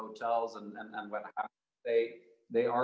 mereka sedang dibina seperti yang kita katakan